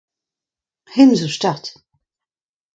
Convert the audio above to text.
Hemañ zo start!